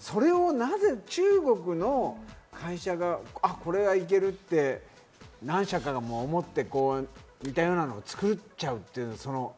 それをなぜ中国の会社が、これはいけるって、何社かが思って、似たようなのを作っちゃうという。